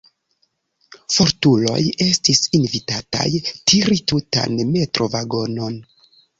Fortuloj estis invitataj tiri tutan metrovagonon.